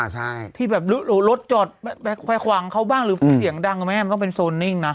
อ่าใช่ที่แบบรถรถจอดแคว้ควังเขาบ้างหรือเขียงดังไหมมันต้องเป็นโซนนิ่งนะ